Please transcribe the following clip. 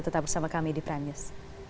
tetap bersama kami di prime news